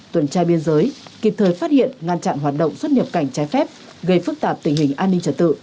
tuần tra biên giới kịp thời phát hiện ngăn chặn hoạt động xuất nhập cảnh trái phép gây phức tạp tình hình an ninh trật tự